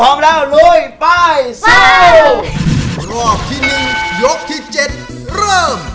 พร้อมแล้วลุยไปสู้